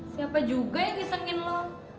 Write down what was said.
siapa juga yang disengkin lo